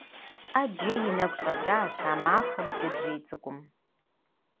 Ӏэджэ и нэгу щӀэкӀащ а махуэм джэджьей цӀыкӀум.